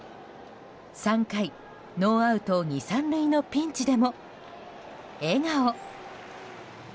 ３回、ノーアウト２、３塁のピンチでも笑顔。